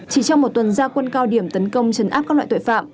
chỉ trong một tuần gia quân cao điểm tấn công chấn áp các loại tội phạm